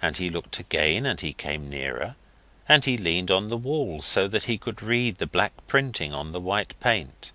And he looked again, and he came nearer, and he leaned on the wall, so that he could read the black printing on the white paint.